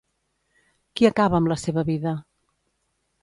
Qui acaba amb la seva vida?